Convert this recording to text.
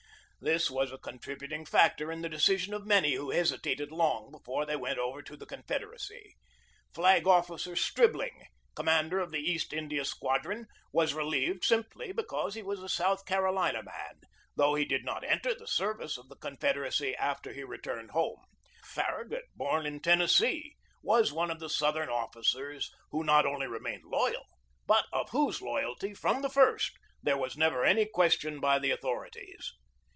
This was a contributing factor in the decision of many who hesitated long before they went over to the Confederacy. Flag Officer Strib ling, commander of the East India Squadron, was relieved simply because he was a South Carolina man, though he did not enter the service of the Con federacy after he returned home. Farragut, born in Tennessee, was one of the Southern officers who not only remained loyal, but of whose loyalty from the first there was never any question by the authorities.